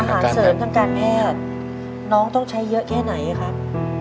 อาหารเสริมทางการแพทย์น้องต้องใช้เยอะแค่ไหนครับ